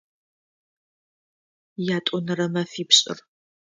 Ятӏонэрэ мэфипшӏыр.